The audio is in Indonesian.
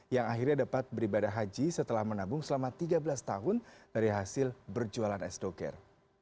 yang akhirnya dapat beribadah haji setelah menabung selama tiga belas tahun dari hasil berjualan es doger